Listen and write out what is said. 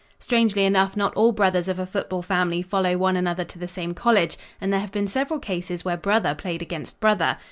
Strangely enough not all brothers of a football family follow one another to the same college, and there have been several cases where brother played against brother.